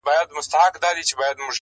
هر ماځيگر تبه، هره غرمه تبه_